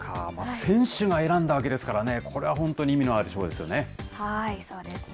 選手が選んだわけですからね、これは本当に意味のある賞ですよね。